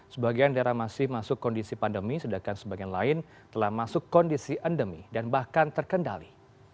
sebagian daerah masih masuk kondisi pandemi sedangkan sebagian lain telah masuk kondisi endemi dan bahkan terkendali